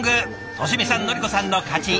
俊美さん徳子さんの勝ち。